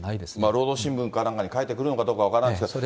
労働新聞か何かに書いてくるのかどうか分からないですけど。